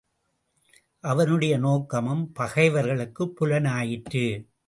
அவனுடைய நோக்கமும் பகைவர்களுக்குப் புலனாயிற்று.